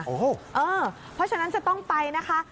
เพราะฉะนั้นจะต้องไปนะคะ